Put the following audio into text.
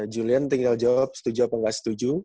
julian tinggal jawab setuju apa nggak setuju